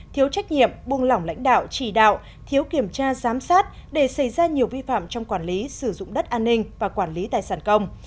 thiếu trách nhiệm buông lỏng lãnh đạo chỉ đạo thiếu kiểm tra giám sát để xảy ra nhiều vi phạm trong quản lý sử dụng đất an ninh và quản lý tài sản công